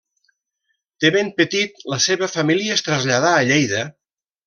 De ben petit la seva família es traslladà a Lleida.